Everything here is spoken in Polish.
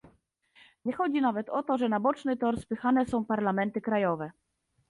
Nie chodzi nawet o to, że na boczny tor spychane są parlamenty krajowe